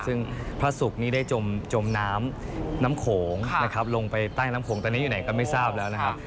ซึ่งพระศุกร์นี้ได้จมน้ำน้ำโขงนะครับลงไปใต้น้ำโขงตอนนี้อยู่ไหนก็ไม่ทราบแล้วนะครับ